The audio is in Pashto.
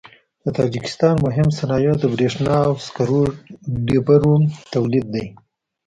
د تاجکستان مهم صنایع د برېښنا او سکرو ډبرو تولید دی.